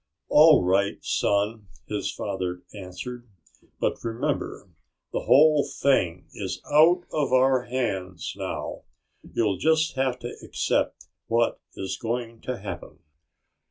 "All right, son," his father answered. "But remember, the whole thing is out of our hands now. You'll just have to accept what is going to happen."